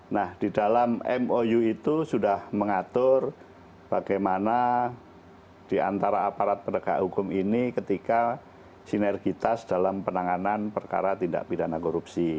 nah di dalam mou itu sudah mengatur bagaimana diantara aparat penegak hukum ini ketika sinergitas dalam penanganan perkara tindak pidana korupsi